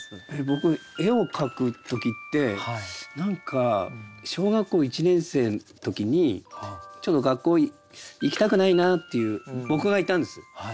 僕絵を描く時って何か小学校１年生の時にちょっと学校行きたくないなっていう僕がいたんです。